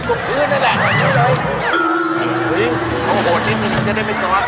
โหดนิดหนึ่งจะได้ไม่ซ้อน